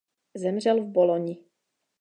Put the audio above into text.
Zemřel v Boloni.